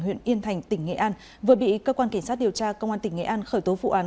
huyện yên thành tỉnh nghệ an vừa bị cơ quan cảnh sát điều tra công an tỉnh nghệ an khởi tố vụ án